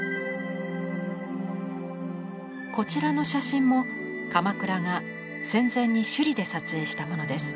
こちらの写真も鎌倉が戦前に首里で撮影したものです。